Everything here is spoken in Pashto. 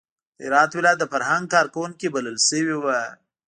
د هرات ولایت د فرهنګ کار کوونکي بلل شوي وو.